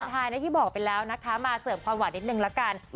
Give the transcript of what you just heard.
ใช่นะที่บอกไปแล้วนะคะมาเสริมความหวานนิดนึงละกัน